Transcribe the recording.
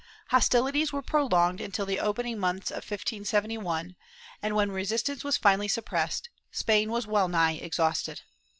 ^ Hostilities were prolonged until the opening months of 1571 and, when resistance was finally suppressed, Spain was well nigh exhausted.